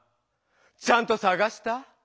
ちゃんとさがした？